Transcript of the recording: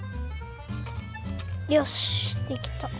よしできた！